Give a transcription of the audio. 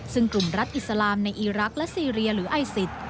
ซึ่งกลุ่มรัฐอิสลามในอีรักษ์และซีเรียหรือไอซิส